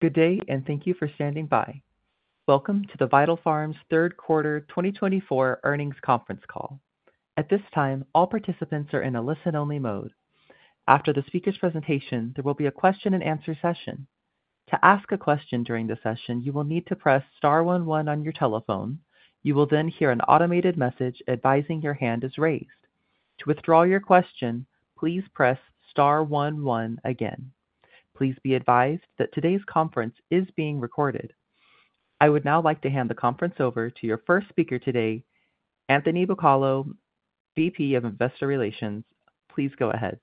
Good day, and thank you for standing by. Welcome to the Vital Farms Q3 2024 earnings conference call. At this time, all participants are in a listen-only mode. After the speaker's presentation, there will be a question-and-answer session. To ask a question during the session, you will need to press star 11 on your telephone. You will then hear an automated message advising your hand is raised. To withdraw your question, please press star 11 again. Please be advised that today's conference is being recorded. I would now like to hand the conference over to your first speaker today, Anthony Bucalo, VP of Investor Relations. Please go ahead.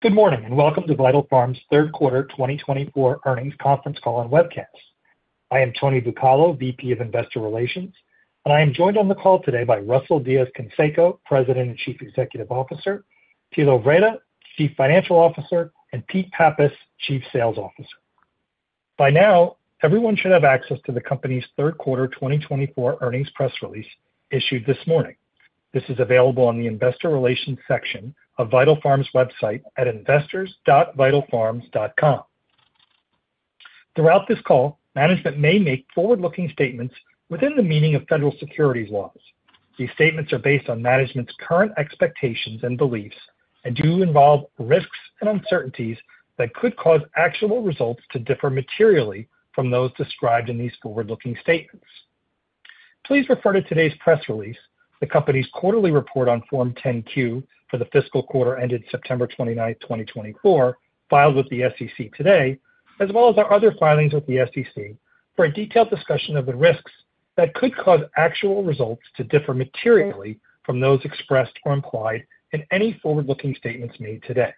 Good morning, and welcome to Vital Farms Q3 2024 earnings conference call and webcast. I am Tony Bucalo, VP of Investor Relations, and I am joined on the call today by Russell Diez-Canseco, President and Chief Executive Officer, Thilo Wrede, Chief Financial Officer, and Pete Pappas, Chief Sales Officer. By now, everyone should have access to the company's Q3 2024 earnings press release issued this morning. This is available on the Investor Relations section of Vital Farms' website at investors.vitalfarms.com. Throughout this call, management may make forward-looking statements within the meaning of federal securities laws. These statements are based on management's current expectations and beliefs and do involve risks and uncertainties that could cause actual results to differ materially from those described in these forward-looking statements. Please refer to today's press release, the company's quarterly report on Form 10-Q for the fiscal quarter ended September 29, 2024, filed with the SEC today, as well as our other filings with the SEC, for a detailed discussion of the risks that could cause actual results to differ materially from those expressed or implied in any forward-looking statements made today.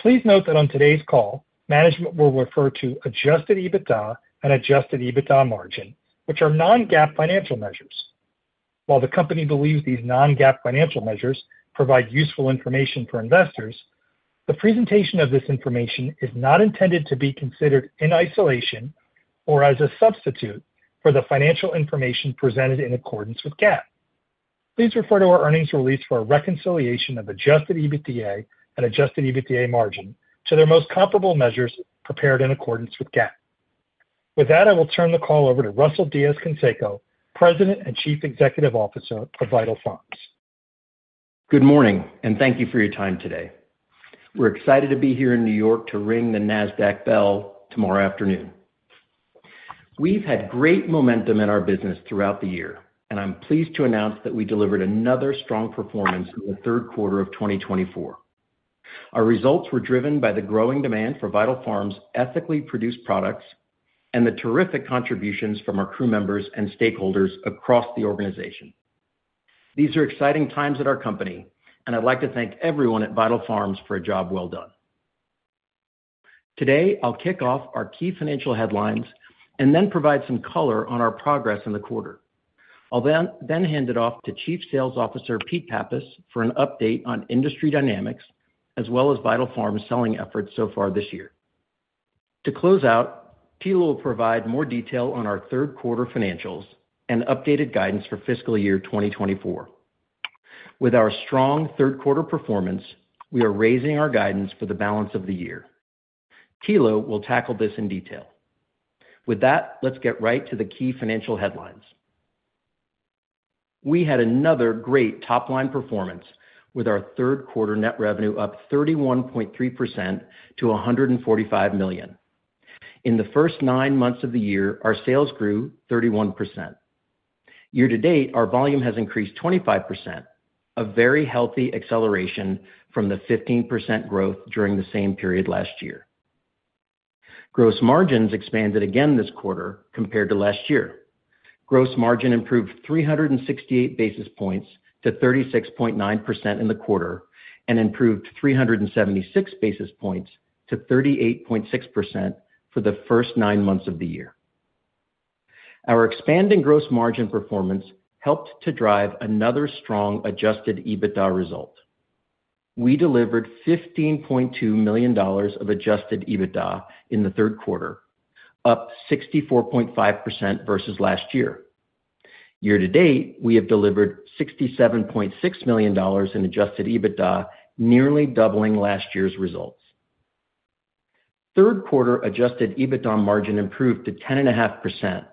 Please note that on today's call, management will refer to Adjusted EBITDA and Adjusted EBITDA margin, which are non-GAAP financial measures. While the company believes these non-GAAP financial measures provide useful information for investors, the presentation of this information is not intended to be considered in isolation or as a substitute for the financial information presented in accordance with GAAP. Please refer to our earnings release for a reconciliation of Adjusted EBITDA and Adjusted EBITDA margin to their most comparable measures prepared in accordance with GAAP. With that, I will turn the call over to Russell Diez-Canseco, President and Chief Executive Officer of Vital Farms. Good morning, and thank you for your time today. We're excited to be here in New York to ring the Nasdaq bell tomorrow afternoon. We've had great momentum in our business throughout the year, and I'm pleased to announce that we delivered another strong performance in Q3 2024. Our results were driven by the growing demand for Vital Farms' ethically produced products and the terrific contributions from our crew members and stakeholders across the organization. These are exciting times at our company, and I'd like to thank everyone at Vital Farms for a job well done. Today, I'll kick off our key financial headlines and then provide some color on our progress in the quarter. I'll then hand it off to Chief Sales Officer Pete Pappas for an update on industry dynamics as well as Vital Farms' selling efforts so far this year. To close out, Thilo will provide more detail on our Q3 financials and updated guidance for fiscal year 2024. With our strong Q3 performance, we are raising our guidance for the balance of the year. Thilo will tackle this in detail. With that, let's get right to the key financial headlines. We had another great top-line performance, with our Q3 net revenue up 31.3% to $145 million. In the first nine months of the year, our sales grew 31%. Year-to-date, our volume has increased 25%, a very healthy acceleration from the 15% growth during the same period last year. Gross margins expanded again this quarter compared to last year. Gross margin improved 368 basis points to 36.9% in the quarter and improved 376 basis points to 38.6% for the first nine months of the year. Our expanding gross margin performance helped to drive another strong adjusted EBITDA result. We delivered $15.2 million of adjusted EBITDA in Q3, up 64.5% versus last year. Year-to-date, we have delivered $67.6 million in adjusted EBITDA, nearly doubling last year's results. Q3 adjusted EBITDA margin improved to 10.5%,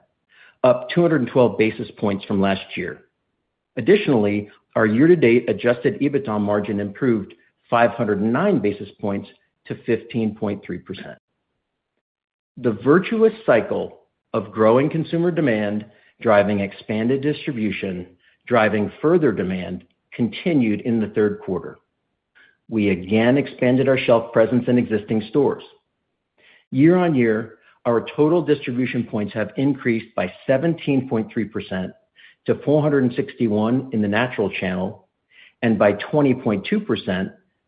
up 212 basis points from last year. Additionally, our year-to-date adjusted EBITDA margin improved 509 basis points to 15.3%. The virtuous cycle of growing consumer demand driving expanded distribution driving further demand continued in Q3. We again expanded our shelf presence in existing stores. Year-on-year, our total distribution points have increased by 17.3% to 461 in the natural channel and by 20.2%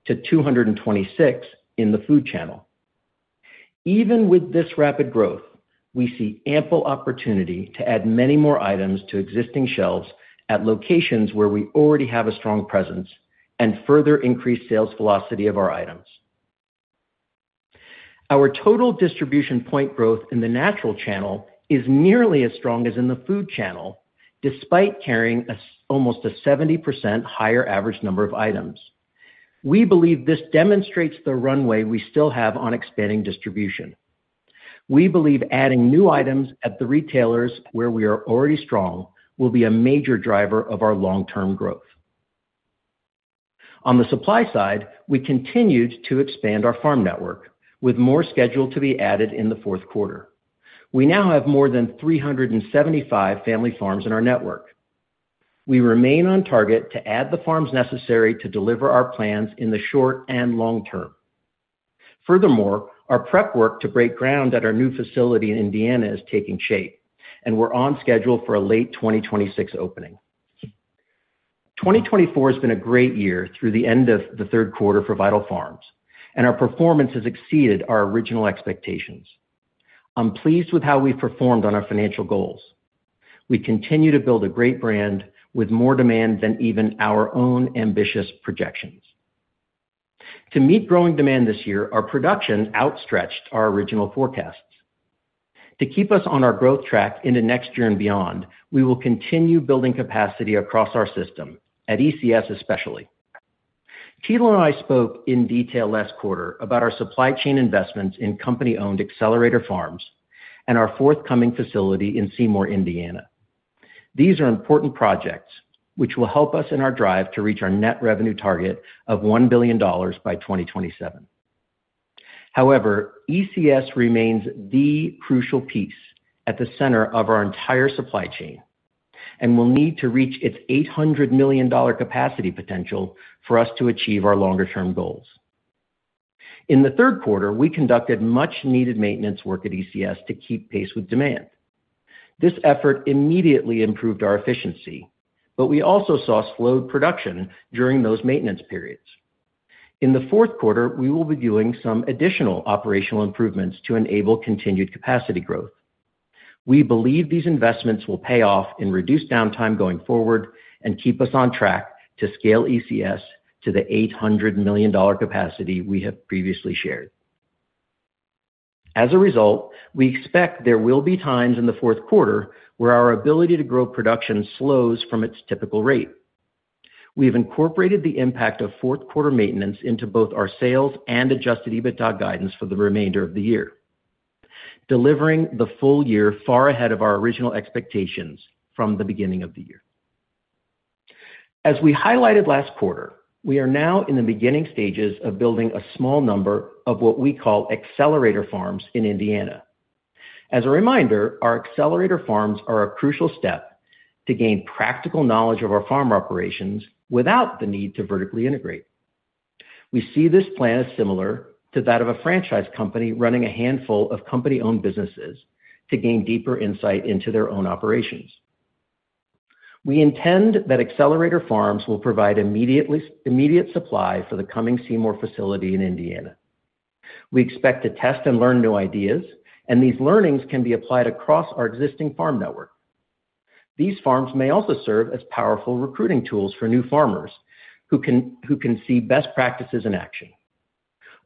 to 226 in the food channel. Even with this rapid growth, we see ample opportunity to add many more items to existing shelves at locations where we already have a strong presence and further increase sales velocity of our items. Our total distribution point growth in the natural channel is nearly as strong as in the food channel, despite carrying almost a 70% higher average number of items. We believe this demonstrates the runway we still have on expanding distribution. We believe adding new items at the retailers where we are already strong will be a major driver of our long-term growth. On the supply side, we continued to expand our farm network, with more scheduled to be added in Q4. We now have more than 375 family farms in our network. We remain on target to add the farms necessary to deliver our plans in the short and long term. Furthermore, our prep work to break ground at our new facility in Indiana is taking shape, and we're on schedule for a late 2026 opening. 2024 has been a great year through the end of Q3 for Vital Farms, and our performance has exceeded our original expectations. I'm pleased with how we've performed on our financial goals. We continue to build a great brand with more demand than even our own ambitious projections. To meet growing demand this year, our production outstretched our original forecasts. To keep us on our growth track into next year and beyond, we will continue building capacity across our system, at ECS especially. Thilo and I spoke in detail last quarter about our supply chain investments in company-owned Accelerator Farms and our forthcoming facility in Seymour, Indiana. These are important projects which will help us in our drive to reach our net revenue target of $1 billion by 2027. However, ECS remains the crucial piece at the center of our entire supply chain and will need to reach its $800 million capacity potential for us to achieve our longer-term goals. In Q3, we conducted much-needed maintenance work at ECS to keep pace with demand. This effort immediately improved our efficiency, but we also saw slowed production during those maintenance periods. In Q4, we will be doing some additional operational improvements to enable continued capacity growth. We believe these investments will pay off in reduced downtime going forward and keep us on track to scale ECS to the $800 million capacity we have previously shared. As a result, we expect there will be times in Q4 where our ability to grow production slows from its typical rate. We have incorporated the impact of Q4 maintenance into both our sales and Adjusted EBITDA guidance for the remainder of the year, delivering the full year far ahead of our original expectations from the beginning of the year. As we highlighted last quarter, we are now in the beginning stages of building a small number of what we call Accelerator Farms in Indiana. As a reminder, our Accelerator Farms are a crucial step to gain practical knowledge of our farm operations without the need to vertically integrate. We see this plan as similar to that of a franchise company running a handful of company-owned businesses to gain deeper insight into their own operations. We intend that Accelerator Farms will provide immediate supply for the coming Seymour facility in Indiana. We expect to test and learn new ideas, and these learnings can be applied across our existing farm network. These farms may also serve as powerful recruiting tools for new farmers who can see best practices in action.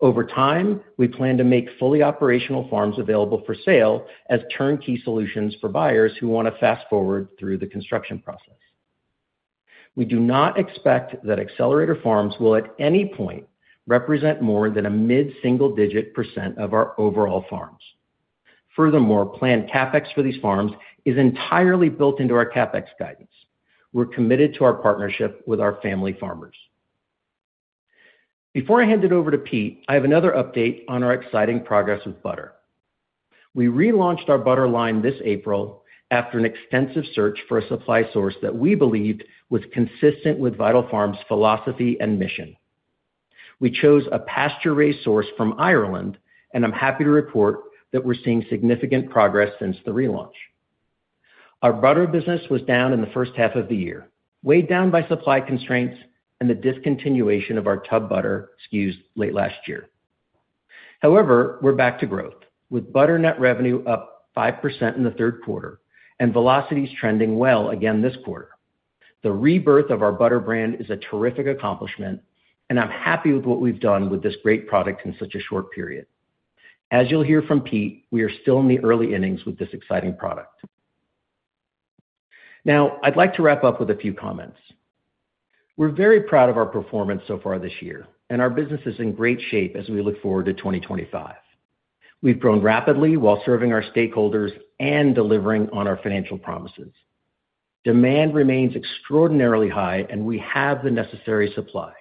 Over time, we plan to make fully operational farms available for sale as turnkey solutions for buyers who want to fast-forward through the construction process. We do not expect that Accelerator Farms will at any point represent more than a mid-single-digit % of our overall farms. Furthermore, planned CAPEX for these farms is entirely built into our CAPEX guidance. We're committed to our partnership with our family farmers. Before I hand it over to Pete, I have another update on our exciting progress with butter. We relaunched our butter line this April after an extensive search for a supply source that we believed was consistent with Vital Farms' philosophy and mission. We chose a pasture-raised source from Ireland, and I'm happy to report that we're seeing significant progress since the relaunch. Our butter business was down in the first half of the year, weighed down by supply constraints and the discontinuation of our tub butter SKUs late last year. However, we're back to growth, with butter net revenue up 5% in Q3 and velocities trending well again this quarter. The rebirth of our butter brand is a terrific accomplishment, and I'm happy with what we've done with this great product in such a short period. As you'll hear from Pete, we are still in the early innings with this exciting product. Now, I'd like to wrap up with a few comments. We're very proud of our performance so far this year, and our business is in great shape as we look forward to 2025. We've grown rapidly while serving our stakeholders and delivering on our financial promises. Demand remains extraordinarily high, and we have the necessary supply.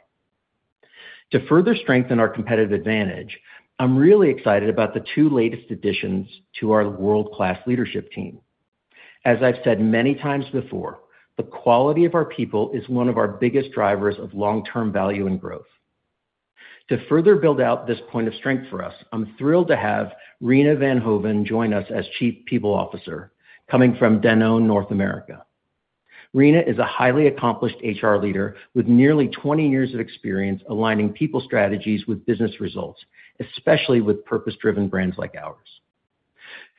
To further strengthen our competitive advantage, I'm really excited about the two latest additions to our world-class leadership team. As I've said many times before, the quality of our people is one of our biggest drivers of long-term value and growth. To further build out this point of strength for us, I'm thrilled to have Rena Van Hoven join us as Chief People Officer, coming from Danone North America. Rena is a highly accomplished HR leader with nearly 20 years of experience aligning people strategies with business results, especially with purpose-driven brands like ours.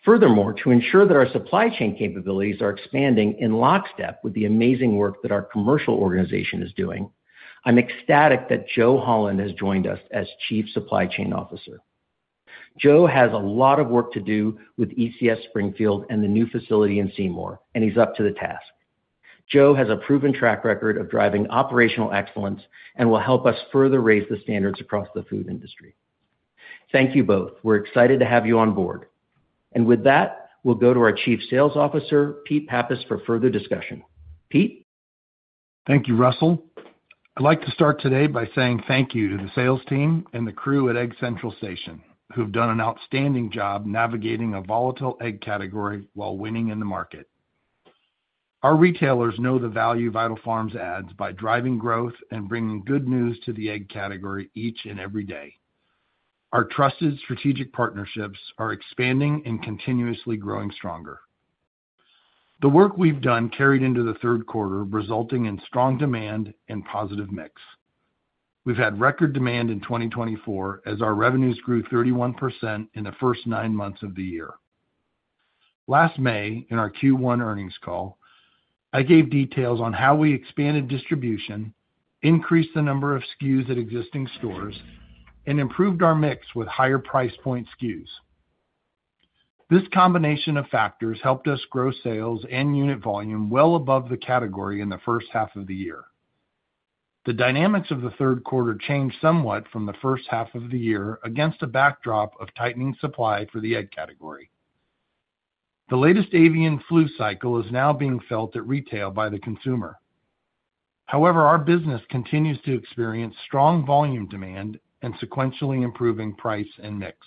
Furthermore, to ensure that our supply chain capabilities are expanding in lockstep with the amazing work that our commercial organization is doing, I'm ecstatic that Joe Holland has joined us as Chief Supply Chain Officer. Joe has a lot of work to do with ECS Springfield and the new facility in Seymour, and he's up to the task. Joe has a proven track record of driving operational excellence and will help us further raise the standards across the food industry. Thank you both. We're excited to have you on board. And with that, we'll go to our Chief Sales Officer, Pete Pappas, for further discussion. Pete. Thank you, Russell. I'd like to start today by saying thank you to the sales team and the crew at Egg Central Station, who have done an outstanding job navigating a volatile egg category while winning in the market. Our retailers know the value Vital Farms adds by driving growth and bringing good news to the egg category each and every day. Our trusted strategic partnerships are expanding and continuously growing stronger. The work we've done carried into Q3, resulting in strong demand and positive mix. We've had record demand in 2024 as our revenues grew 31% in the first nine months of the year. Last May, in our Q1 earnings call, I gave details on how we expanded distribution, increased the number of SKUs at existing stores, and improved our mix with higher price point SKUs. This combination of factors helped us grow sales and unit volume well above the category in the first half of the year. The dynamics of Q3 changed somewhat from the first half of the year against a backdrop of tightening supply for the egg category. The latest avian flu cycle is now being felt at retail by the consumer. However, our business continues to experience strong volume demand and sequentially improving price and mix.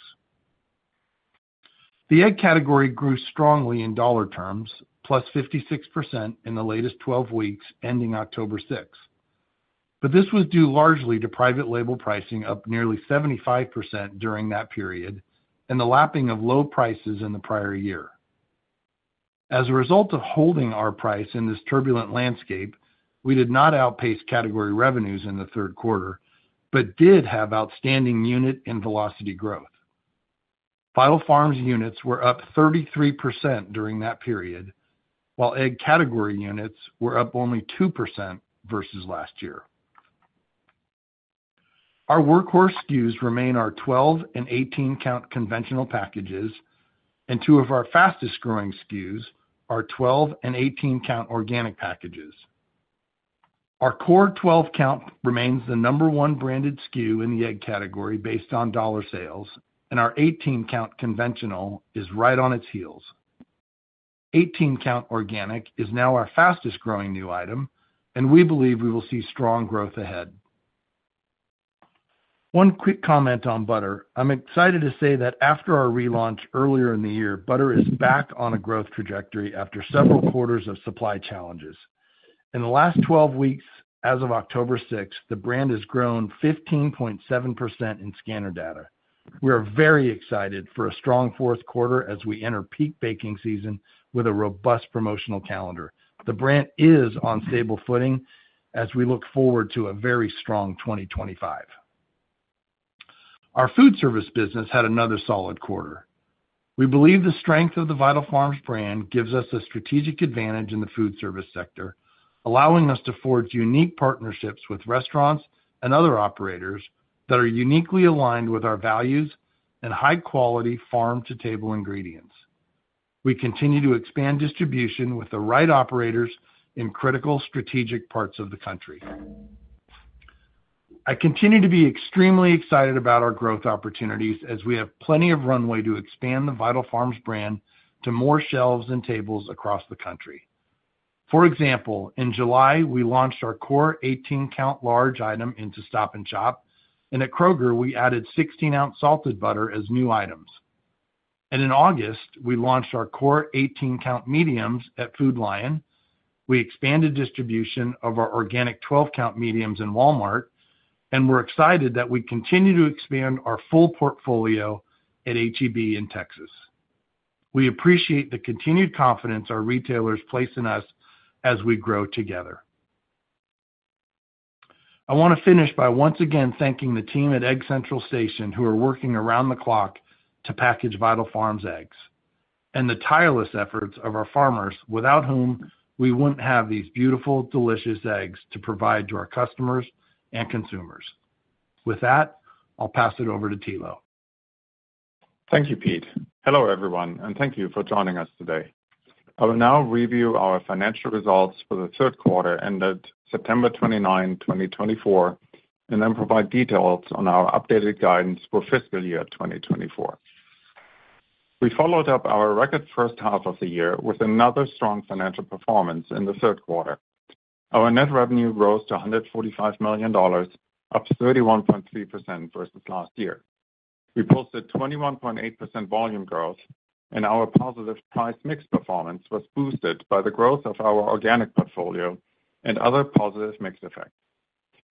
The egg category grew strongly in dollar terms, 56% in the latest 12 weeks ending October 6. But this was due largely to private label pricing up nearly 75% during that period and the lapping of low prices in the prior year. As a result of holding our price in this turbulent landscape, we did not outpace category revenues in Q4 but did have outstanding unit and velocity growth. Vital Farms units were up 33% during that period, while egg category units were up only 2% versus last year. Our workhorse SKUs remain our 12 and 18-count conventional packages, and two of our fastest-growing SKUs, our 12 and 18-count organic packages. Our core 12-count remains the number one branded SKU in the egg category based on dollar sales, and our 18-count conventional is right on its heels. 18-count organic is now our fastest-growing new item, and we believe we will see strong growth ahead. One quick comment on butter. I'm excited to say that after our relaunch earlier in the year, butter is back on a growth trajectory after several quarters of supply challenges. In the last 12 weeks, as of October 6, the brand has grown 15.7% in scanner data. We are very excited for a strong Q4 as we enter peak baking season with a robust promotional calendar. The brand is on stable footing as we look forward to a very strong 2025. Our food service business had another solid quarter. We believe the strength of the Vital Farms brand gives us a strategic advantage in the food service sector, allowing us to forge unique partnerships with restaurants and other operators that are uniquely aligned with our values and high-quality farm-to-table ingredients. We continue to expand distribution with the right operators in critical strategic parts of the country. I continue to be extremely excited about our growth opportunities as we have plenty of runway to expand the Vital Farms brand to more shelves and tables across the country. For example, in July, we launched our core 18-count large item into Stop & Shop, and at Kroger, we added 16-ounce salted butter as new items, and in August, we launched our core 18-count mediums at Food Lion. We expanded distribution of our organic 12-count mediums in Walmart, and we're excited that we continue to expand our full portfolio at H-E-B in Texas. We appreciate the continued confidence our retailers place in us as we grow together. I want to finish by once again thanking the team at Egg Central Station who are working around the clock to package Vital Farms eggs and the tireless efforts of our farmers, without whom we wouldn't have these beautiful, delicious eggs to provide to our customers and consumers. With that, I'll pass it over to Thilo. Thank you, Pete. Hello, everyone, and thank you for joining us today. I will now review our financial results for Q3 ended September 29, 2024, and then provide details on our updated guidance for fiscal year 2024. We followed up our record first half of the year with another strong financial performance in Q3. Our net revenue rose to $145 million, up 31.3% versus last year. We posted 21.8% volume growth, and our positive price-mix performance was boosted by the growth of our organic portfolio and other positive mix effects.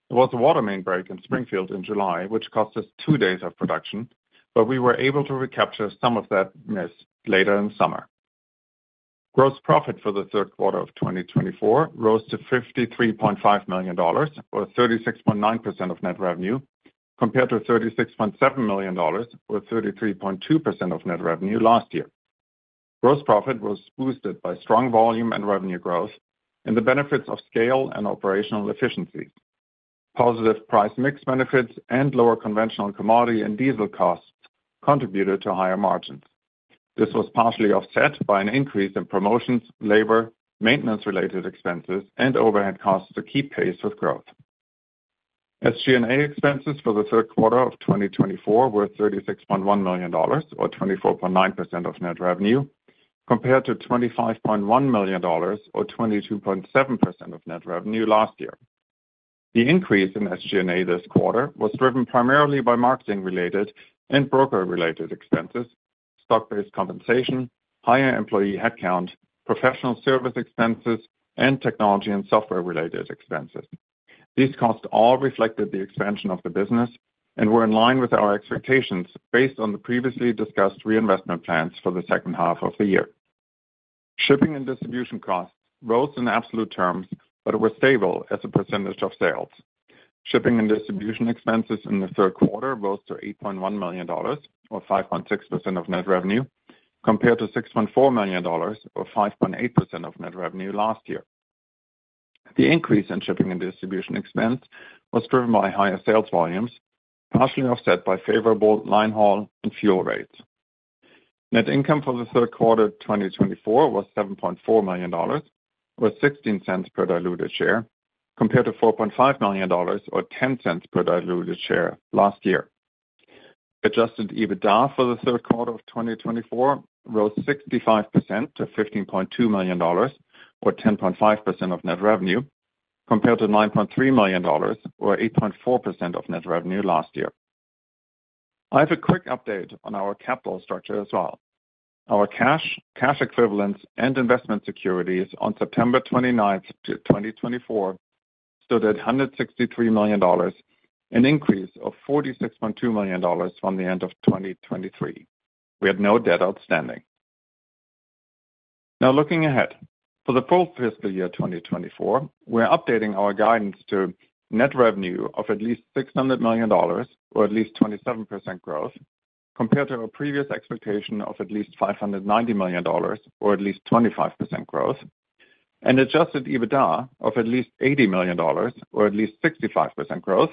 There was a water main break in Springfield in July, which cost us two days of production, but we were able to recapture some of that miss later in summer. Gross profit for Q3 of 2024 rose to $53.5 million, or 36.9% of net revenue, compared to $36.7 million, or 33.2% of net revenue last year. Gross profit was boosted by strong volume and revenue growth and the benefits of scale and operational efficiencies. Positive price-mix benefits and lower conventional commodity and diesel costs contributed to higher margins. This was partially offset by an increase in promotions, labor, maintenance-related expenses, and overhead costs to keep pace with growth. SG&A expenses for Q3 of 2024 were $36.1 million, or 24.9% of net revenue, compared to $25.1 million, or 22.7% of net revenue last year. The increase in SG&A this quarter was driven primarily by marketing-related and broker-related expenses, stock-based compensation, higher employee headcount, professional service expenses, and technology and software-related expenses. These costs all reflected the expansion of the business and were in line with our expectations based on the previously discussed reinvestment plans for the second half of the year. Shipping and distribution costs rose in absolute terms, but were stable as a percentage of sales. Shipping and distribution expenses in Q3 rose to $8.1 million, or 5.6% of net revenue, compared to $6.4 million, or 5.8% of net revenue last year. The increase in shipping and distribution expense was driven by higher sales volumes, partially offset by favorable line haul and fuel rates. Net income for Q3 2024 was $7.4 million, or $0.16 per diluted share, compared to $4.5 million, or $0.10 per diluted share last year. Adjusted EBITDA for Q3 of 2024 rose 65% to $15.2 million, or 10.5% of net revenue, compared to $9.3 million, or 8.4% of net revenue last year. I have a quick update on our capital structure as well. Our cash, cash equivalents, and investment securities on September 29, 2024, stood at $163 million, an increase of $46.2 million from the end of 2023. We had no debt outstanding. Now, looking ahead, for Q4 2024, we're updating our guidance to net revenue of at least $600 million, or at least 27% growth, compared to our previous expectation of at least $590 million, or at least 25% growth, and adjusted EBITDA of at least $80 million, or at least 65% growth,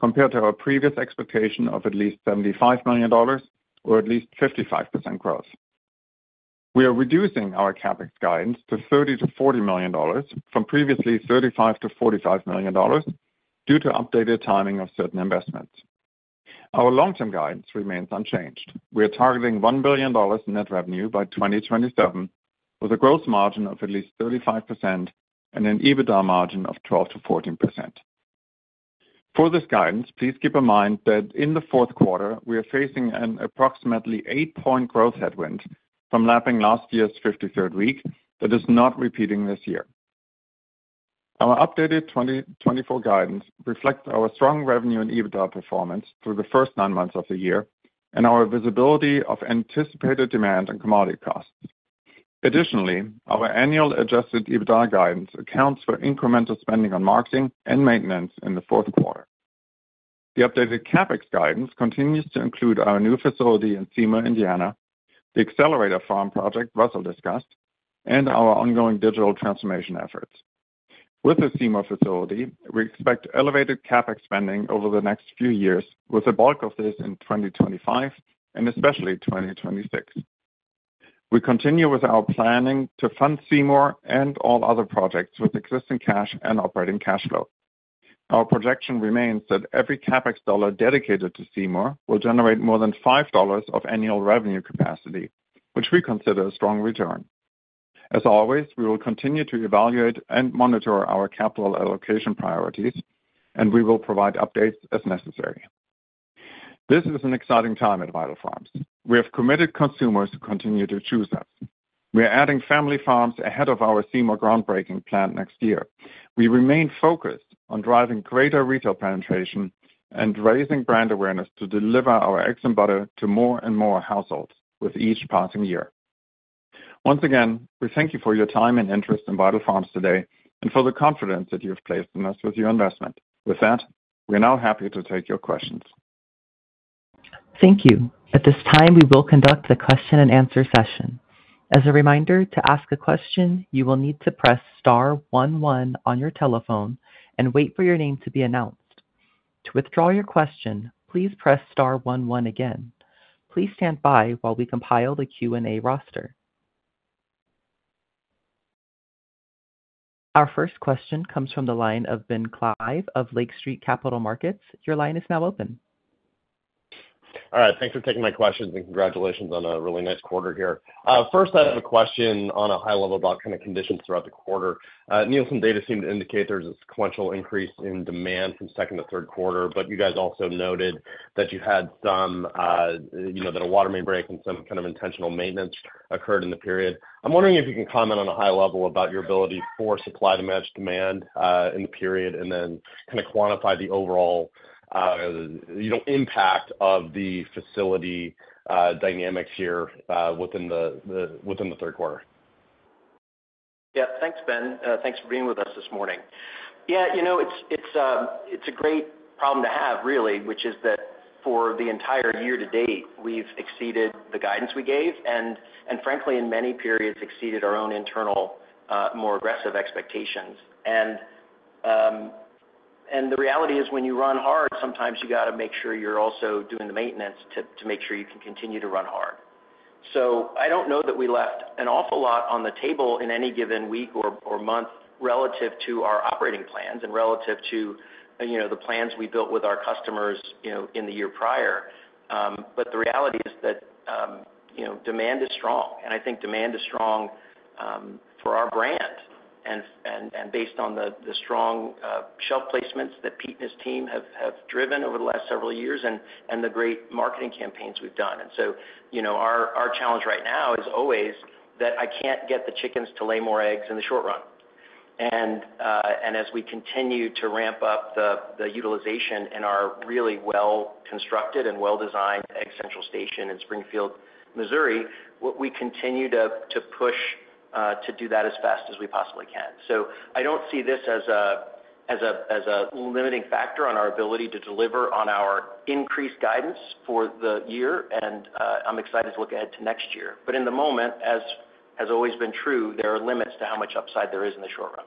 compared to our previous expectation of at least $75 million, or at least 55% growth. We are reducing our CAPEX guidance to $30 million-$40 million from previously $35 million-$45 million due to updated timing of certain investments. Our long-term guidance remains unchanged. We are targeting $1 billion in net revenue by 2027, with a gross margin of at least 35% and an EBITDA margin of 12%-14%. For this guidance, please keep in mind that in Q4, we are facing an approximately eight-point growth headwind from lapping last year's 53rd week that is not repeating this year. Our updated 2024 guidance reflects our strong revenue and EBITDA performance through the first nine months of the year and our visibility of anticipated demand and commodity costs. Additionally, our annual adjusted EBITDA guidance accounts for incremental spending on marketing and maintenance in Q4. The updated CAPEX guidance continues to include our new facility in Seymour, Indiana, the Accelerator Farm project Russell discussed, and our ongoing digital transformation efforts. With the Seymour facility, we expect elevated CAPEX spending over the next few years, with the bulk of this in 2025 and especially 2026. We continue with our planning to fund Seymour and all other projects with existing cash and operating cash flow. Our projection remains that every CAPEX dollar dedicated to Seymour will generate more than $5 of annual revenue capacity, which we consider a strong return. As always, we will continue to evaluate and monitor our capital allocation priorities, and we will provide updates as necessary. This is an exciting time at Vital Farms. We have committed consumers to continue to choose us. We are adding family farms ahead of our Seymour groundbreaking plan next year. We remain focused on driving greater retail penetration and raising brand awareness to deliver our eggs and butter to more and more households with each passing year. Once again, we thank you for your time and interest in Vital Farms today and for the confidence that you have placed in us with your investment. With that, we are now happy to take your questions. Thank you. At this time, we will conduct the question-and-answer session. As a reminder, to ask a question, you will need to press star 11 on your telephone and wait for your name to be announced. To withdraw your question, please press star 11 again. Please stand by while we compile the Q&A roster. Our first question comes from the line of Ben Klieve of Lake Street Capital Markets. Your line is now open. All right. Thanks for taking my questions, and congratulations on a really nice quarter here. First, I have a question on a high level about kind of conditions throughout the quarter. Neil, some data seem to indicate there's a sequential increase in demand from second to third quarter, but you guys also noted that you had some, you know, that a water main break and some kind of intentional maintenance occurred in the period. I'm wondering if you can comment on a high level about your ability for supply to match demand in the period and then kind of quantify the overall, you know, impact of the facility dynamics here within the third quarter. Yeah. Thanks, Ben. Thanks for being with us this morning. Yeah, you know, it's a great problem to have, really, which is that for the entire year to date, we've exceeded the guidance we gave and, frankly, in many periods, exceeded our own internal, more aggressive expectations. And the reality is, when you run hard, sometimes you got to make sure you're also doing the maintenance to make sure you can continue to run hard. So I don't know that we left an awful lot on the table in any given week or month relative to our operating plans and relative to, you know, the plans we built with our customers, you know, in the year prior. But the reality is that, you know, demand is strong, and I think demand is strong for our brand and based on the strong shelf placements that Pete and his team have driven over the last several years and the great marketing campaigns we've done. And so, you know, our challenge right now is always that I can't get the chickens to lay more eggs in the short run. And as we continue to ramp up the utilization in our really well-constructed and well-designed Egg Central Station in Springfield, Missouri, we continue to push to do that as fast as we possibly can. So I don't see this as a limiting factor on our ability to deliver on our increased guidance for the year, and I'm excited to look ahead to next year. But in the moment, as has always been true, there are limits to how much upside there is in the short run.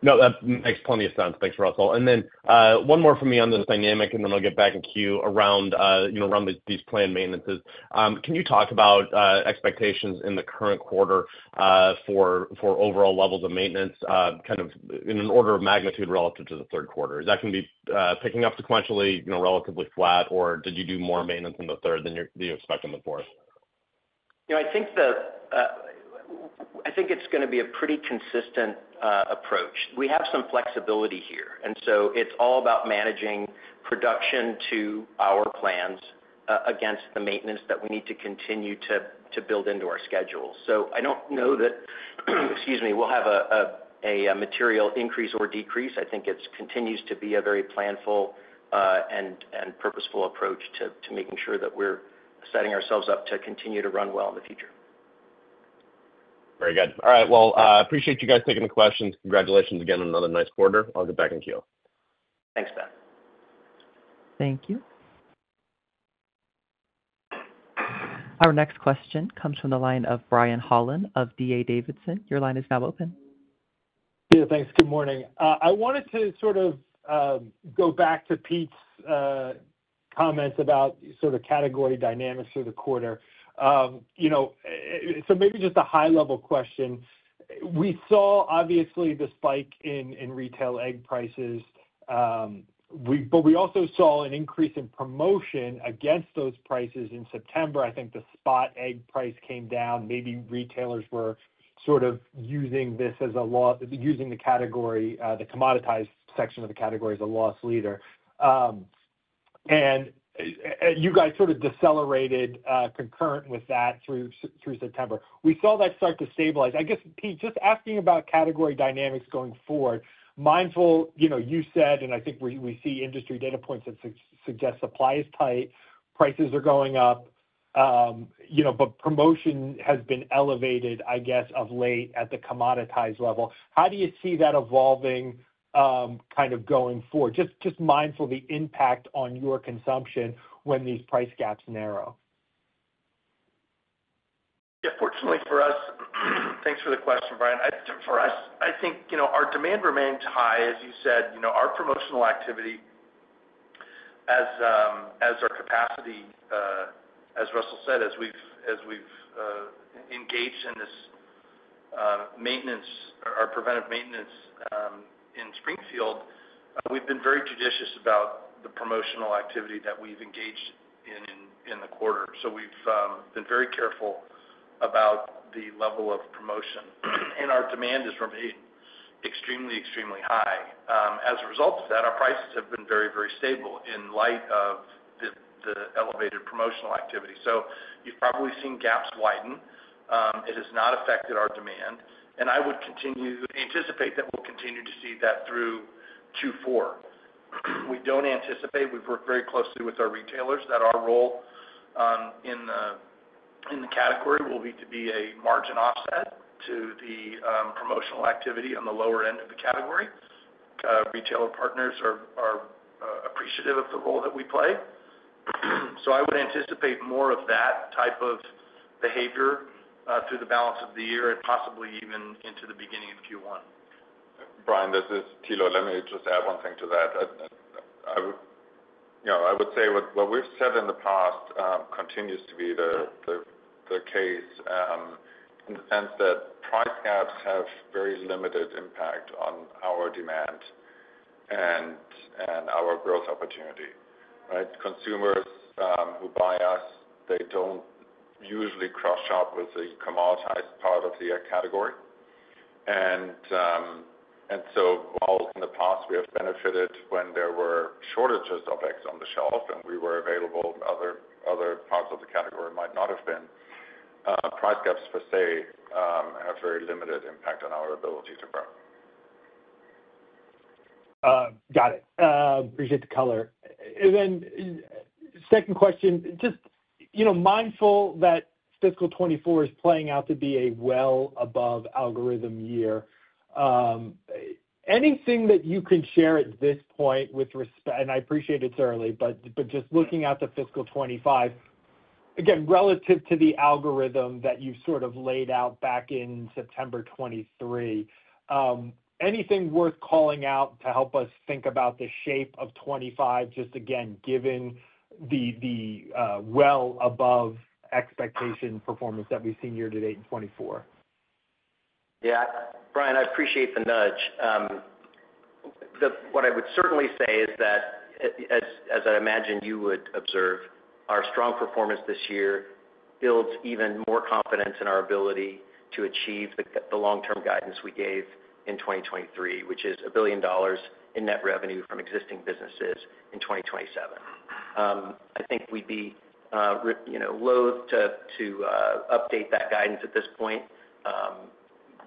No, that makes plenty of sense. Thanks, Russell. And then one more from me on this dynamic, and then I'll get back in queue around, you know, around these planned maintenances. Can you talk about expectations in the current quarter for overall levels of maintenance kind of in an order of magnitude relative to the third quarter? Is that going to be picking up sequentially, you know, relatively flat, or did you do more maintenance in the third than you expect in the fourth? You know, I think, I think it's going to be a pretty consistent approach. We have some flexibility here, and so it's all about managing production to our plans against the maintenance that we need to continue to build into our schedules. So I don't know that, excuse me, we'll have a material increase or decrease. I think it continues to be a very planful and purposeful approach to making sure that we're setting ourselves up to continue to run well in the future. Very good. All right. Well, I appreciate you guys taking the questions. Congratulations again on another nice quarter. I'll get back in queue. Thanks, Ben. Thank you. Our next question comes from the line of Brian Holland of D.A. Davidson. Your line is now open. Neil, thanks. Good morning. I wanted to sort of go back to Pete's comments about sort of category dynamics through the quarter. You know, so maybe just a high-level question. We saw, obviously, the spike in retail egg prices, but we also saw an increase in promotion against those prices in September. I think the spot egg price came down. Maybe retailers were sort of using this as a loss, using the category, the commoditized section of the category as a loss leader. And you guys sort of decelerated concurrent with that through September. We saw that start to stabilize. I guess, Pete, just asking about category dynamics going forward, mindful, you know, you said, and I think we see industry data points that suggest supply is tight, prices are going up, you know, but promotion has been elevated, I guess, of late at the commoditized level. How do you see that evolving kind of going forward? Just mindful of the impact on your consumption when these price gaps narrow. Yeah. Fortunately for us, thanks for the question, Brian. For us, I think, you know, our demand remains high, as you said. You know, our promotional activity as our capacity, as Russell said, as we've engaged in this maintenance, our preventive maintenance in Springfield, we've been very judicious about the promotional activity that we've engaged in in the quarter. So we've been very careful about the level of promotion, and our demand has remained extremely, extremely high. As a result of that, our prices have been very, very stable in light of the elevated promotional activity. So you've probably seen gaps widen. It has not affected our demand, and I would continue to anticipate that we'll continue to see that through Q4. We don't anticipate, we've worked very closely with our retailers, that our role in the category will be to be a margin offset to the promotional activity on the lower end of the category. Retailer partners are appreciative of the role that we play, so I would anticipate more of that type of behavior through the balance of the year and possibly even into the beginning of Q1. Brian, this is Thilo. Let me just add one thing to that. I would, you know, I would say what we've said in the past continues to be the case in the sense that price gaps have very limited impact on our demand and our growth opportunity, right? Consumers who buy us, they don't usually cross-shop with the commoditized part of the egg category. And so while in the past we have benefited when there were shortages of eggs on the shelf and we were available, other parts of the category might not have been, price gaps per se have very limited impact on our ability to grow. Got it. Appreciate the color. And then second question, just, you know, mindful that fiscal 2024 is playing out to be a well above algorithm year. Anything that you can share at this point with respect, and I appreciate it's early, but just looking at the fiscal 2025, again, relative to the algorithm that you've sort of laid out back in September 2023, anything worth calling out to help us think about the shape of 2025, just again, given the well above expectation performance that we've seen year to date in 2024? Yeah. Brian, I appreciate the nudge. What I would certainly say is that, as I imagine you would observe, our strong performance this year builds even more confidence in our ability to achieve the long-term guidance we gave in 2023, which is $1 billion in net revenue from existing businesses in 2027. I think we'd be, you know, loathed to update that guidance at this point,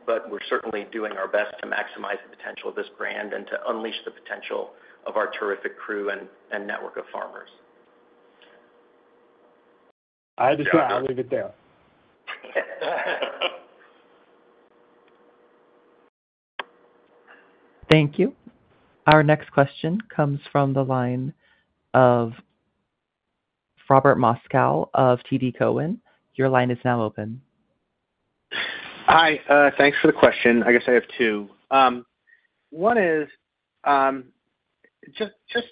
but we're certainly doing our best to maximize the potential of this brand and to unleash the potential of our terrific crew and network of farmers. I'll just leave it there. Thank you. Our next question comes from the line of Robert Moskow of TD Cowen. Your line is now open. Hi. Thanks for the question. I guess I have two. One is just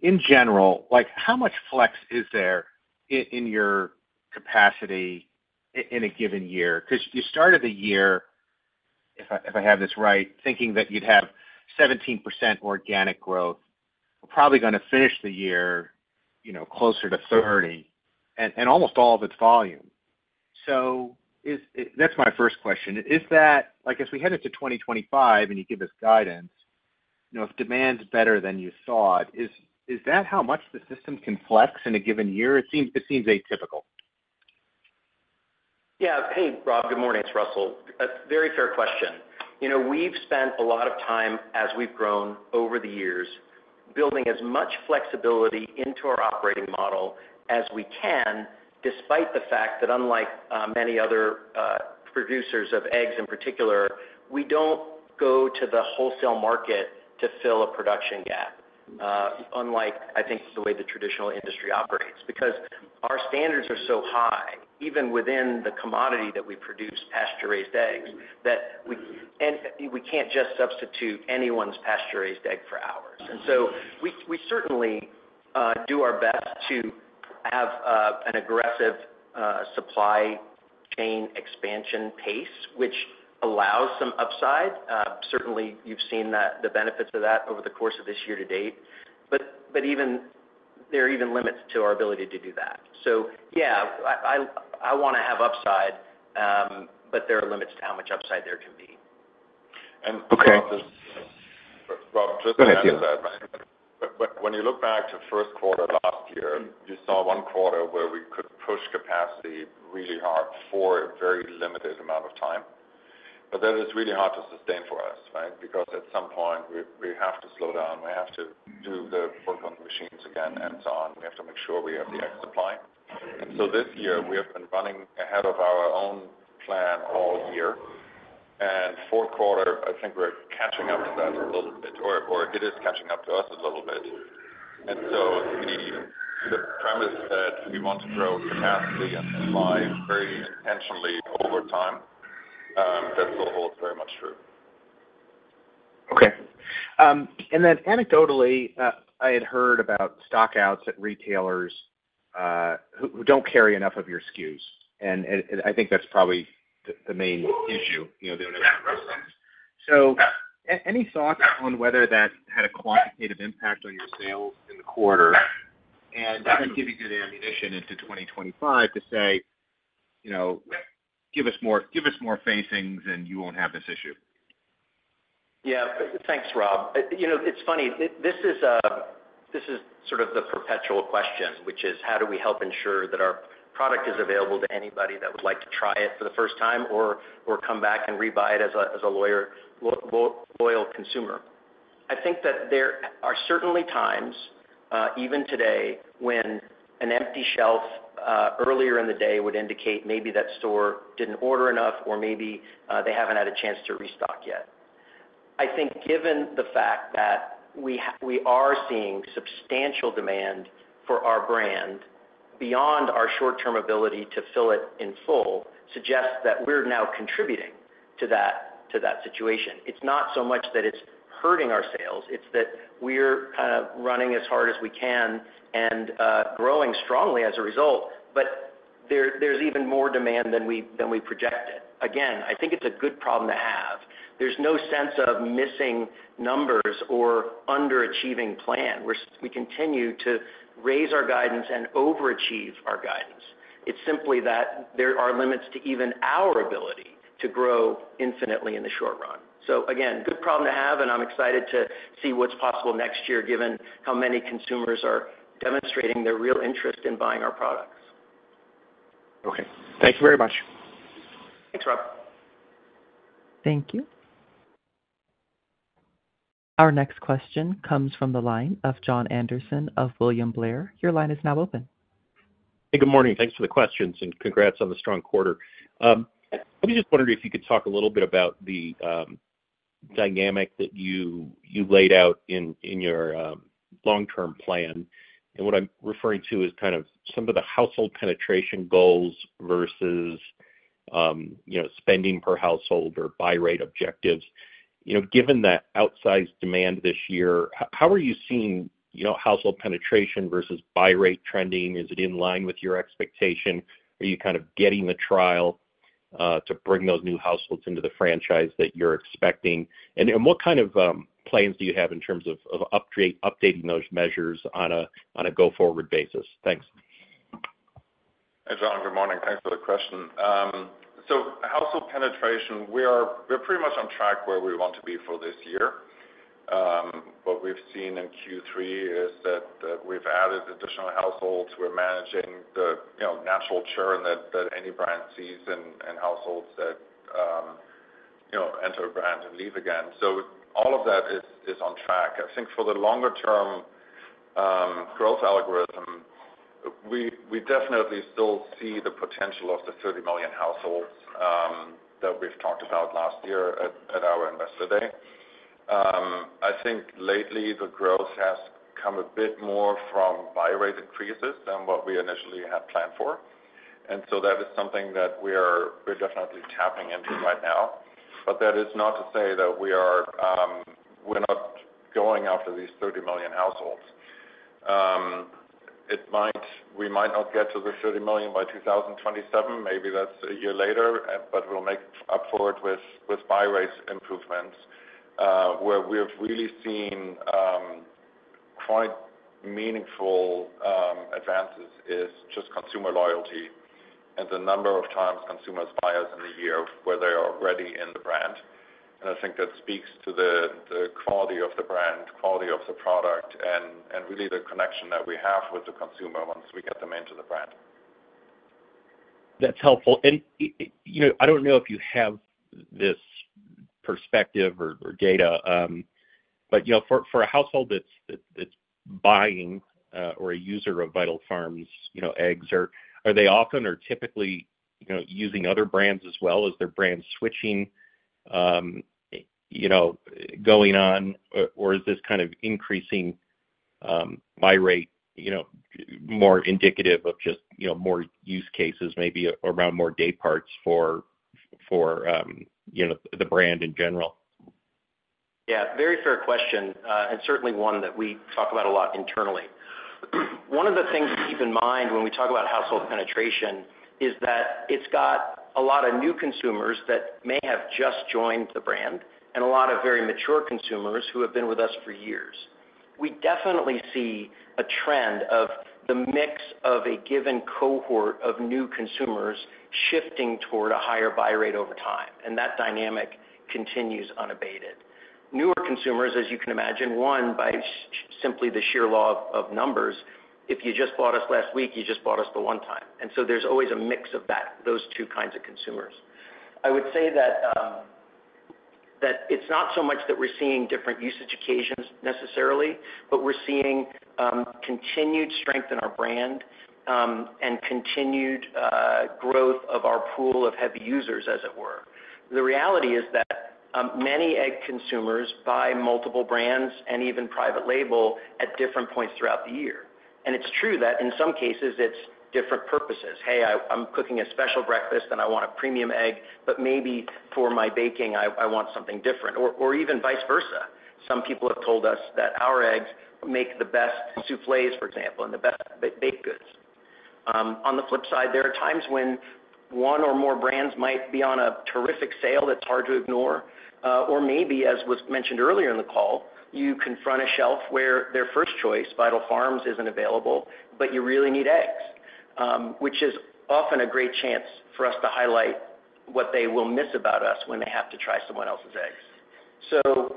in general, like, how much flex is there in your capacity in a given year? Because you started the year, if I have this right, thinking that you'd have 17% organic growth, probably going to finish the year, you know, closer to 30% and almost all of it's volume. So that's my first question. Is that, like, if we head into 2025 and you give us guidance, you know, if demand's better than you thought, is that how much the system can flex in a given year? It seems atypical. Yeah. Hey, Rob, good morning. It's Russell. Very fair question. You know, we've spent a lot of time, as we've grown over the years, building as much flexibility into our operating model as we can, despite the fact that, unlike many other producers of eggs in particular, we don't go to the wholesale market to fill a production gap, unlike, I think, the way the traditional industry operates. Because our standards are so high, even within the commodity that we produce, pasture-raised eggs, that we can't just substitute anyone's pasture-raised egg for ours. And so we certainly do our best to have an aggressive supply chain expansion pace, which allows some upside. Certainly, you've seen the benefits of that over the course of this year to date. But even there are even limits to our ability to do that. So yeah, I want to have upside, but there are limits to how much upside there can be. And. Okay. Rob, just to add that, right? When you look back to first quarter last year, you saw one quarter where we could push capacity really hard for a very limited amount of time, but that is really hard to sustain for us, right? Because at some point, we have to slow down. We have to do the work on the machines again and so on. We have to make sure we have the egg supply, and so this year, we have been running ahead of our own plan all year, and fourth quarter, I think we're catching up to that a little bit, or it is catching up to us a little bit, and so the premise that we want to grow capacity and supply very intentionally over time, that still holds very much true. Okay. And then anecdotally, I had heard about stockouts at retailers who don't carry enough of your SKUs. And I think that's probably the main issue, you know, the unintended consequence. So any thoughts on whether that had a quantitative impact on your sales in the quarter and kind of give you good ammunition into 2025 to say, you know, give us more facings and you won't have this issue? Yeah. Thanks, Rob. You know, it's funny. This is sort of the perpetual question, which is, how do we help ensure that our product is available to anybody that would like to try it for the first time or come back and rebuy it as a loyal consumer? I think that there are certainly times, even today, when an empty shelf earlier in the day would indicate maybe that store didn't order enough or maybe they haven't had a chance to restock yet. I think given the fact that we are seeing substantial demand for our brand beyond our short-term ability to fill it in full suggests that we're now contributing to that situation. It's not so much that it's hurting our sales. It's that we're kind of running as hard as we can and growing strongly as a result, but there's even more demand than we projected. Again, I think it's a good problem to have. There's no sense of missing numbers or underachieving plan. We continue to raise our guidance and overachieve our guidance. It's simply that there are limits to even our ability to grow infinitely in the short run. So again, good problem to have, and I'm excited to see what's possible next year given how many consumers are demonstrating their real interest in buying our products. Okay. Thank you very much. Thanks, Rob. Thank you. Our next question comes from the line of Jon Andersen of William Blair. Your line is now open. Hey, good morning. Thanks for the questions and congrats on the strong quarter. I was just wondering if you could talk a little bit about the dynamic that you laid out in your long-term plan. And what I'm referring to is kind of some of the household penetration goals versus, you know, spending per household or buy rate objectives. You know, given that outsized demand this year, how are you seeing, you know, household penetration versus buy rate trending? Is it in line with your expectation? Are you kind of getting the trial to bring those new households into the franchise that you're expecting? And what kind of plans do you have in terms of updating those measures on a go-forward basis? Thanks. Hey, Jon. Good morning. Thanks for the question. So household penetration, we're pretty much on track where we want to be for this year. What we've seen in Q3 is that we've added additional households. We're managing the, you know, natural churn that any brand sees in households that, you know, enter a brand and leave again. So all of that is on track. I think for the longer-term growth algorithm, we definitely still see the potential of the 30 million households that we've talked about last year at our investor day. I think lately the growth has come a bit more from buy rate increases than what we initially had planned for. And so that is something that we're definitely tapping into right now. But that is not to say that we're not going after these 30 million households. It might, we might not get to the 30 million by 2027. Maybe that's a year later, but we'll make up for it with buy rate improvements. Where we've really seen quite meaningful advances is just consumer loyalty and the number of times consumers buy us in the year where they are already in the brand. And I think that speaks to the quality of the brand, quality of the product, and really the connection that we have with the consumer once we get them into the brand. That's helpful, and you know, I don't know if you have this perspective or data, but you know, for a household that's buying or a user of Vital Farms eggs, are they often or typically you know, using other brands as well? Is their brand switching you know, going on, or is this kind of increasing buy rate you know, more indicative of just you know, more use cases maybe around more day parts for you know, the brand in general? Yeah. Very fair question. And certainly one that we talk about a lot internally. One of the things to keep in mind when we talk about household penetration is that it's got a lot of new consumers that may have just joined the brand and a lot of very mature consumers who have been with us for years. We definitely see a trend of the mix of a given cohort of new consumers shifting toward a higher buy rate over time. And that dynamic continues unabated. Newer consumers, as you can imagine, one, by simply the sheer law of numbers, if you just bought us last week, you just bought us for one time. And so there's always a mix of those two kinds of consumers. I would say that it's not so much that we're seeing different usage occasions necessarily, but we're seeing continued strength in our brand and continued growth of our pool of heavy users, as it were. The reality is that many egg consumers buy multiple brands and even private label at different points throughout the year, and it's true that in some cases it's different purposes. Hey, I'm cooking a special breakfast and I want a premium egg, but maybe for my baking I want something different. Or even vice versa. Some people have told us that our eggs make the best soufflés, for example, and the best baked goods. On the flip side, there are times when one or more brands might be on a terrific sale that's hard to ignore. Or maybe, as was mentioned earlier in the call, you confront a shelf where their first choice, Vital Farms, isn't available, but you really need eggs, which is often a great chance for us to highlight what they will miss about us when they have to try someone else's eggs. So,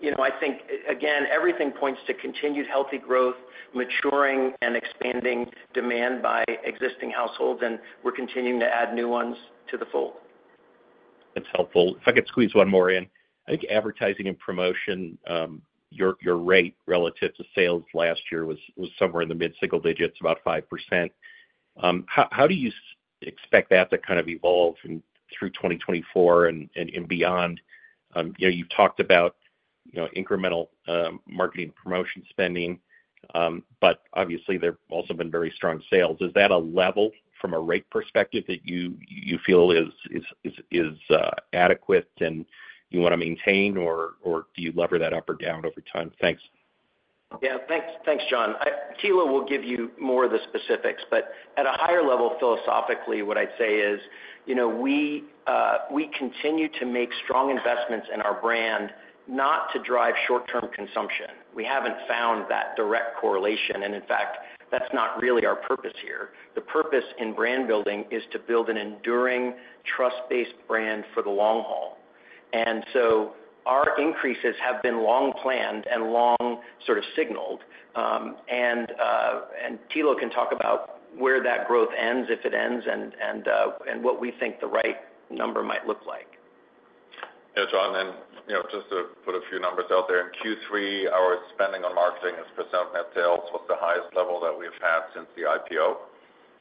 you know, I think, again, everything points to continued healthy growth, maturing and expanding demand by existing households, and we're continuing to add new ones to the fold. That's helpful. If I could squeeze one more in. I think advertising and promotion, your rate relative to sales last year was somewhere in the mid-single digits, about 5%. How do you expect that to kind of evolve through 2024 and beyond? You know, you've talked about, you know, incremental marketing and promotion spending, but obviously there've also been very strong sales. Is that a level from a rate perspective that you feel is adequate and you want to maintain, or do you lever that up or down over time? Thanks. Yeah. Thanks, Jon. Thilo will give you more of the specifics, but at a higher level, philosophically, what I'd say is, you know, we continue to make strong investments in our brand not to drive short-term consumption. We haven't found that direct correlation. And in fact, that's not really our purpose here. The purpose in brand building is to build an enduring, trust-based brand for the long haul. And so our increases have been long planned and long sort of signaled. And Thilo can talk about where that growth ends, if it ends, and what we think the right number might look like. Yeah, Jon. And, you know, just to put a few numbers out there, in Q3, our spending on marketing as % of net sales was the highest level that we've had since the IPO.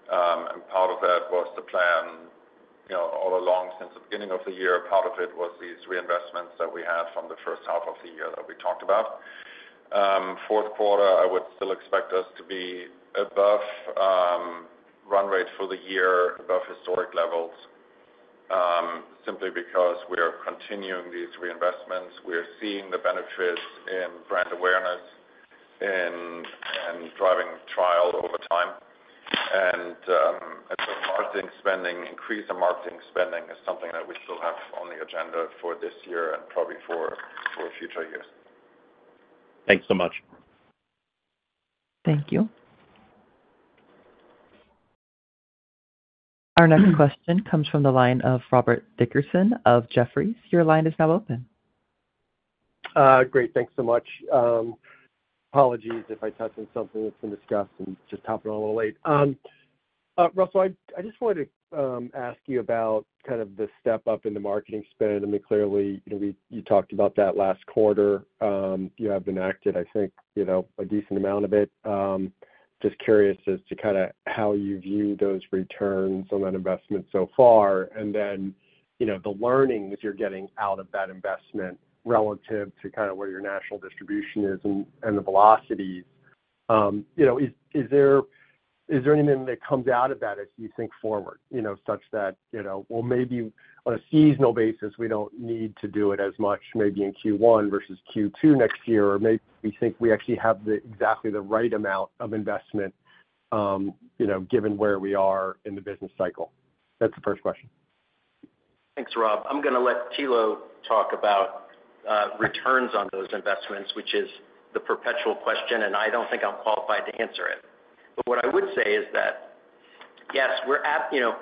And part of that was the plan, you know, all along since the beginning of the year. Part of it was these reinvestments that we had from the first half of the year that we talked about. Fourth quarter, I would still expect us to be above run rate for the year, above historic levels, simply because we are continuing these reinvestments. We are seeing the benefits in brand awareness and driving trial over time. And so marketing spending, increase in marketing spending is something that we still have on the agenda for this year and probably for future years. Thanks so much. Thank you. Our next question comes from the line of Robert Dickerson of Jefferies. Your line is now open. Great. Thanks so much. Apologies if I touch on something that's been discussed and just hopping on a little late. Russell, I just wanted to ask you about kind of the step up in the marketing spend. I mean, clearly, you talked about that last quarter. You have enacted, I think, you know, a decent amount of it. Just curious as to kind of how you view those returns on that investment so far. And then, you know, the learnings you're getting out of that investment relative to kind of where your national distribution is and the velocities. You know, is there anything that comes out of that as you think forward, you know, such that, you know, well, maybe on a seasonal basis, we don't need to do it as much maybe in Q1 versus Q2 next year, or maybe we think we actually have exactly the right amount of investment, you know, given where we are in the business cycle? That's the first question. Thanks, Rob. I'm going to let Thilo talk about returns on those investments, which is the perpetual question, and I don't think I'm qualified to answer it. But what I would say is that, yes, we're at, you know,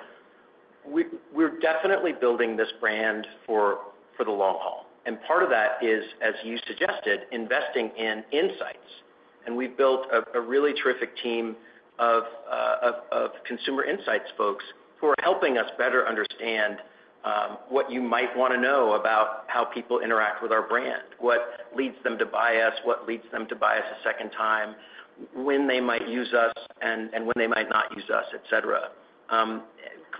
we're definitely building this brand for the long haul. And part of that is, as you suggested, investing in insights. And we've built a really terrific team of consumer insights folks who are helping us better understand what you might want to know about how people interact with our brand, what leads them to buy us, what leads them to buy us a second time, when they might use us and when they might not use us, et cetera.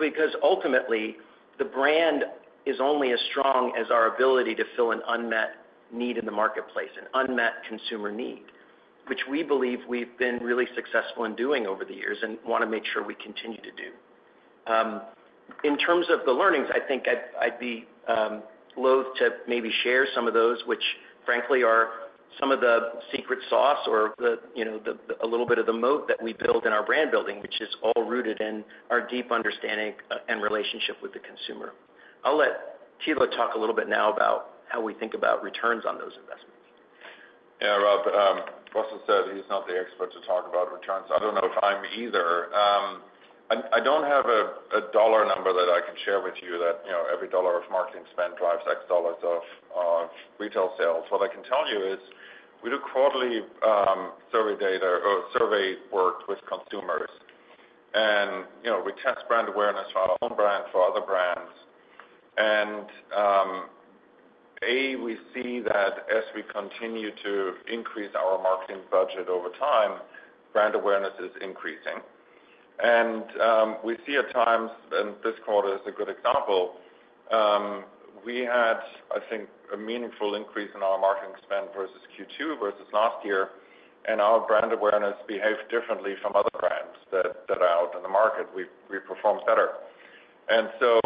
Because ultimately, the brand is only as strong as our ability to fill an unmet need in the marketplace, an unmet consumer need, which we believe we've been really successful in doing over the years and want to make sure we continue to do. In terms of the learnings, I think I'd be loath to maybe share some of those, which frankly are some of the secret sauce or the, you know, a little bit of the moat that we build in our brand building, which is all rooted in our deep understanding and relationship with the consumer. I'll let Thilo talk a little bit now about how we think about returns on those investments. Yeah, Rob. Russell said he's not the expert to talk about returns. I don't know if I'm either. I don't have a dollar number that I can share with you that, you know, every dollar of marketing spend drives X dollars of retail sales. What I can tell you is we do quarterly survey data or survey work with consumers. And, you know, we test brand awareness for our own brand, for other brands. And A, we see that as we continue to increase our marketing budget over time, brand awareness is increasing. And we see at times, and this quarter is a good example, we had, I think, a meaningful increase in our marketing spend versus Q2 versus last year, and our brand awareness behaved differently from other brands that are out in the market. We performed better. And so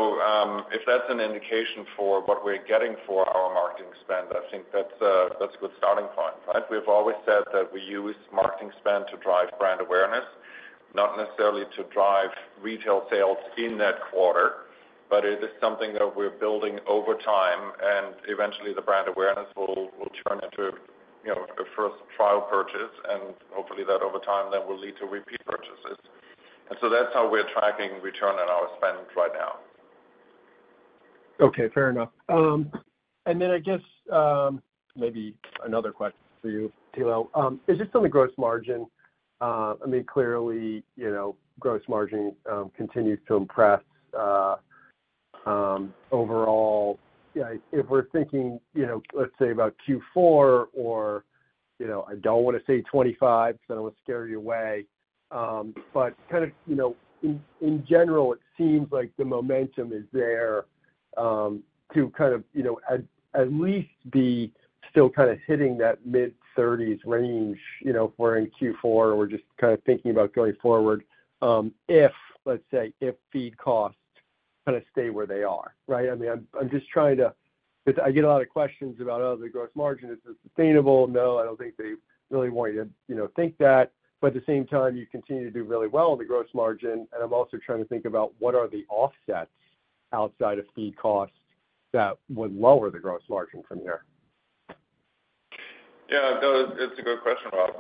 if that's an indication for what we're getting for our marketing spend, I think that's a good starting point, right? We've always said that we use marketing spend to drive brand awareness, not necessarily to drive retail sales in that quarter, but it is something that we're building over time. And eventually the brand awareness will turn into, you know, a first trial purchase. And hopefully that over time then will lead to repeat purchases. And so that's how we're tracking return on our spend right now. Okay. Fair enough. And then I guess maybe another question for you, Thilo. Is it still the gross margin? I mean, clearly, you know, gross margin continues to impress overall. If we're thinking, you know, let's say about Q4 or, you know, I don't want to say 2025 because I don't want to scare you away, but kind of, you know, in general, it seems like the momentum is there to kind of, you know, at least be still kind of hitting that mid-30s range, you know, if we're in Q4 or we're just kind of thinking about going forward, if, let's say, if feed costs kind of stay where they are, right? I mean, I'm just trying to, because I get a lot of questions about, oh, the gross margin, is it sustainable? No, I don't think they really want you to, you know, think that. But at the same time, you continue to do really well on the gross margin. And I'm also trying to think about what are the offsets outside of feed costs that would lower the gross margin from here? Yeah. No, that's a good question, Rob.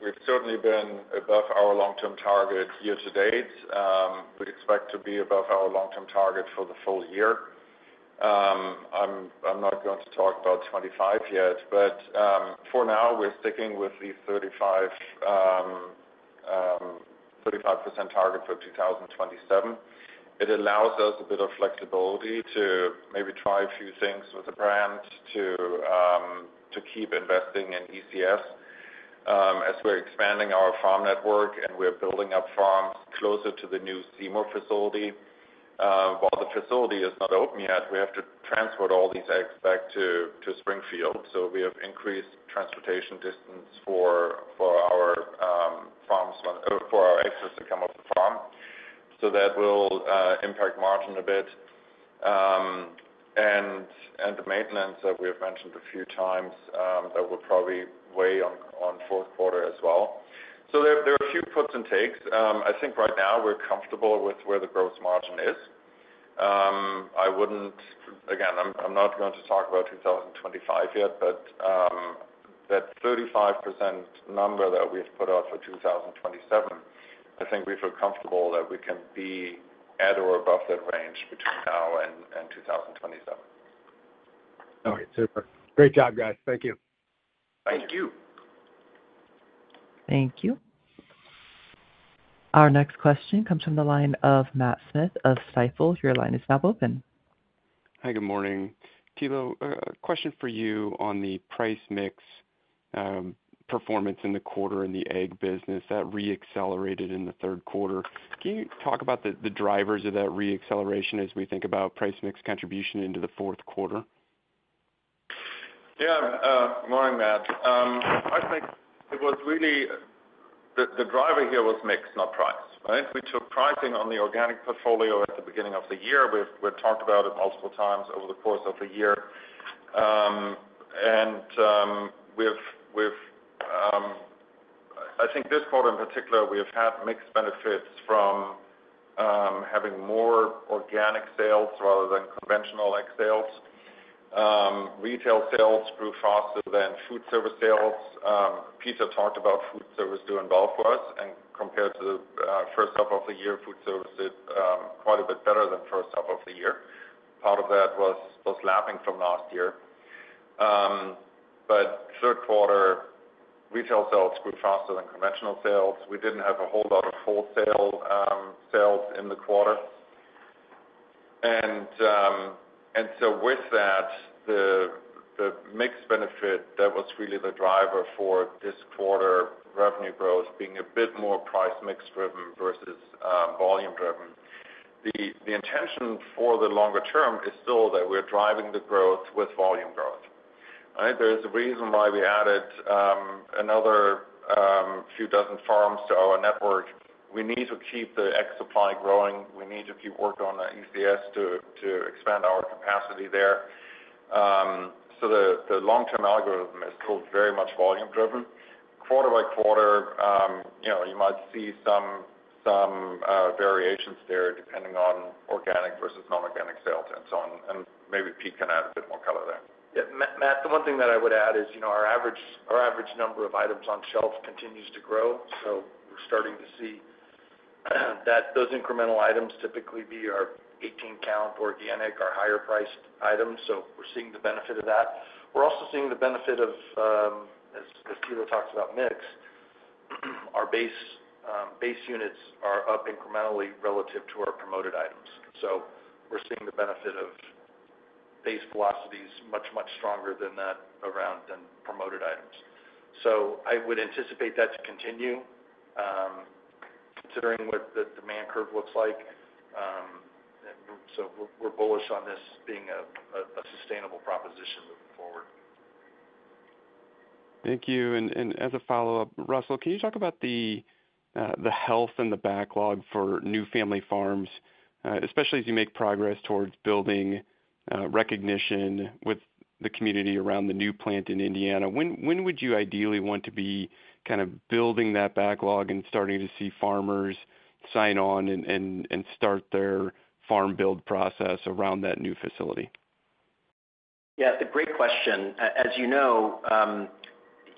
We've certainly been above our long-term target year to date. We expect to be above our long-term target for the full year. I'm not going to talk about 2025 yet, but for now we're sticking with the 35% target for 2027. It allows us a bit of flexibility to maybe try a few things with the brand, to keep investing in ECS as we're expanding our farm network and we're building up farms closer to the new Seymour facility. While the facility is not open yet, we have to transport all these eggs back to Springfield. So we have increased transportation distance for our farms for our eggs that come off the farm. So that will impact margin a bit, and the maintenance that we have mentioned a few times that will probably weigh on fourth quarter as well. There are a few puts and takes. I think right now we're comfortable with where the gross margin is. I wouldn't, again, I'm not going to talk about 2025 yet, but that 35% number that we've put out for 2027, I think we feel comfortable that we can be at or above that range between now and 2027. All right. Super. Great job, guys. Thank you. Thank you. Thank you. Our next question comes from the line of Matt Smith of Stifel. Your line is now open. Hi. Good morning. Thilo, a question for you on the price mix performance in the quarter in the egg business that re-accelerated in the third quarter. Can you talk about the drivers of that re-acceleration as we think about price mix contribution into the fourth quarter? Yeah. Good morning, Matt. I think it was really the driver here was mix, not price, right? We took pricing on the organic portfolio at the beginning of the year. We've talked about it multiple times over the course of the year. And we've, I think this quarter in particular, we have had mixed benefits from having more organic sales rather than conventional egg sales. Retail sales grew faster than food service sales. Pete talked about food service doing well for us. And compared to the first half of the year, food service did quite a bit better than first half of the year. Part of that was lapping from last year. But third quarter, retail sales grew faster than conventional sales. We didn't have a whole lot of wholesale sales in the quarter. And so with that, the mix benefit that was really the driver for this quarter's revenue growth being a bit more price mix driven versus volume driven. The intention for the longer term is still that we're driving the growth with volume growth, right? There is a reason why we added another few dozen farms to our network. We need to keep the egg supply growing. We need to keep working on ECS to expand our capacity there. So the long-term algorithm is still very much volume driven. Quarter by quarter, you know, you might see some variations there depending on organic versus non-organic sales and so on. And maybe Pete can add a bit more color there. Yeah. Matt, the one thing that I would add is, you know, our average number of items on shelf continues to grow. So we're starting to see that those incremental items typically be our 18-count organic or higher priced items. So we're seeing the benefit of that. We're also seeing the benefit of, as Thilo talks about, mix. Our base units are up incrementally relative to our promoted items. So we're seeing the benefit of base velocities much, much stronger than that around than promoted items. So I would anticipate that to continue considering what the demand curve looks like. So we're bullish on this being a sustainable proposition moving forward. Thank you. And as a follow-up, Russell, can you talk about the health and the backlog for new family farms, especially as you make progress towards building recognition with the community around the new plant in Indiana? When would you ideally want to be kind of building that backlog and starting to see farmers sign on and start their farm build process around that new facility? Yeah. It's a great question. As you know,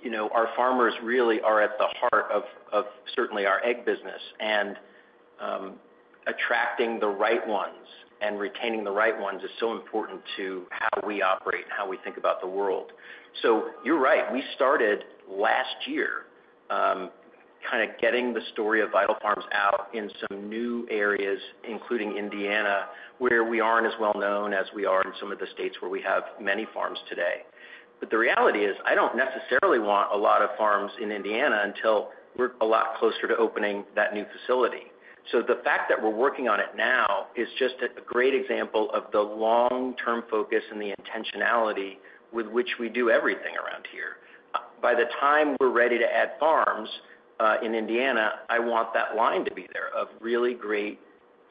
you know, our farmers really are at the heart of certainly our egg business. And attracting the right ones and retaining the right ones is so important to how we operate and how we think about the world. So you're right. We started last year kind of getting the story of Vital Farms out in some new areas, including Indiana, where we aren't as well known as we are in some of the states where we have many farms today. But the reality is I don't necessarily want a lot of farms in Indiana until we're a lot closer to opening that new facility. So the fact that we're working on it now is just a great example of the long-term focus and the intentionality with which we do everything around here. By the time we're ready to add farms in Indiana, I want that line to be there of really great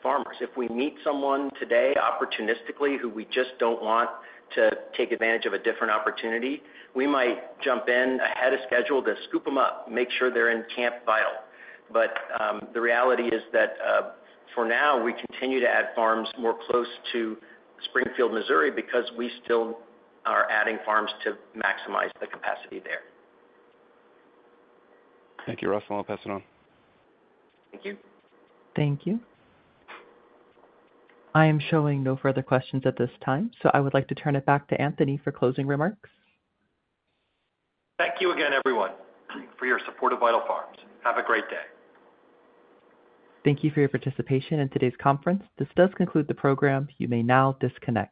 farmers. If we meet someone today opportunistically who we just don't want to take advantage of a different opportunity, we might jump in ahead of schedule to scoop them up, make sure they're in Camp Vital. But the reality is that for now we continue to add farms more close to Springfield, Missouri, because we still are adding farms to maximize the capacity there. Thank you, Russell. I'll pass it on. Thank you. Thank you. I am showing no further questions at this time. So I would like to turn it back to Anthony for closing remarks. Thank you again, everyone, for your support of Vital Farms. Have a great day. Thank you for your participation in today's conference. This does conclude the program. You may now disconnect.